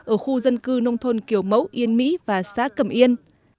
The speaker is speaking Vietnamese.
ở khu dân cư nông thôn kiểu mẫu yên mỹ và xã cầm yên